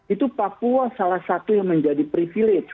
itu papua salah satu yang menjadi privilege